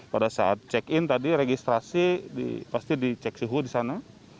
pada saat check in tadi registrasi pasti dicek suhu di sana